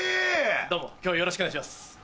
どうも今日よろしくお願いします。